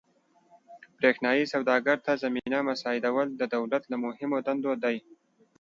برېښنايي سوداګرۍ ته زمینه مساعدول د دولت له مهمو دندو دي.